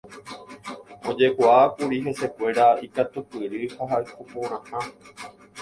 Ojekuaákuri hesekuéra ikatupyry ha hekoporãha.